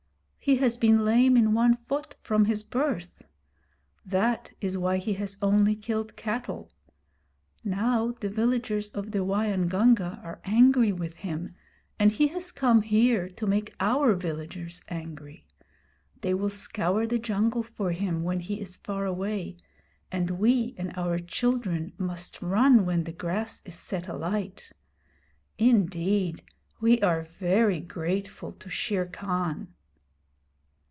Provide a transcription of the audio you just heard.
He has been lame in one foot from his birth. That is why he has only killed cattle. Now the villagers of the Waingunga are angry with him, and he has come here to make our villagers angry. They will scour the jungle for him when he is far away, and we and our children must run when the grass is set alight. Indeed, we are very grateful to Shere Khan!'